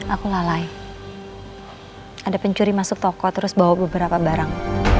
aku lalai ada pencuri masuk toko terus bawa beberapa barang